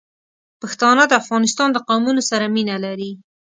پښتانه د افغانستان د قومونو سره مینه لري.